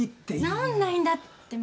治んないんだって。